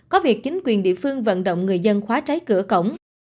có việc chính quyền địa phương vận động người dân khóa trái cửa cổng